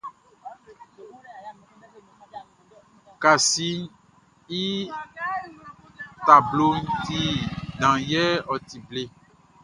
Klasiʼn i tabloʼn ti dan yɛ ɔ ti ble.